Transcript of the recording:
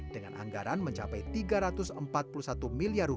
dengan anggaran mencapai rp tiga ratus empat puluh satu miliar